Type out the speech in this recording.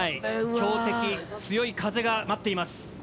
強敵強い風が待っています。